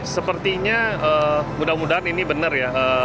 sepertinya mudah mudahan ini benar ya